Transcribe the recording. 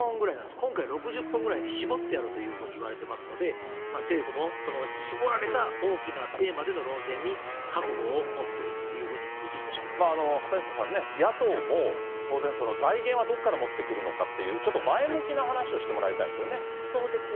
今回、６０本ぐらいに絞っているというふうにいわれているので、政府もその絞られた大きなテーマでの論戦に覚悟を持っているとい畑下さんね、野党も当然、その財源はどこから持ってくるのかっていう、ちょっと前向きな話そうですね。